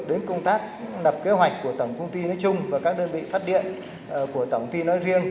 đến công tác lập kế hoạch của tổng công ty nói chung và các đơn vị phát điện của tổng công ty nói riêng